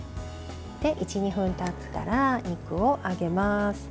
１２分たったら肉をあげます。